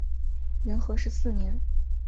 元和十四年。